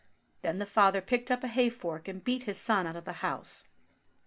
Then the father picked up a hayfork and beat his son out of the house.